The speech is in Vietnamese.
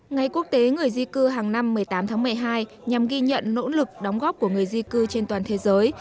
ngày quốc tế người di cư hàng năm một mươi tám tháng một mươi hai nhằm ghi nhận nỗ lực đóng góp của người di cư trên toàn thế giới